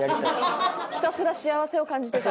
ひたすら幸せを感じていたい。